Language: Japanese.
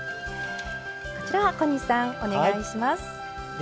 こちらは小西さんお願いします。